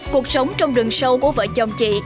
cuộc sống trong rừng sâu của vợ chồng chị